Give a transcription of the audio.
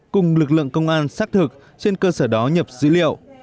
cùng lực lượng công an xác thực trên cơ sở đó nhập dữ liệu